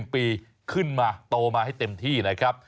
๑ปีขึ้นมาโตมาให้เต็มที่นะครับ